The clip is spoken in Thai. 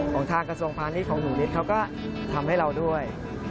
ของทางกระทรวงพาณิชย์ของหนูนิดเขาก็ทำให้เราด้วย